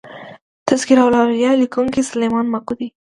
" تذکرة الاولیا" لیکونکی سلیمان ماکو دﺉ.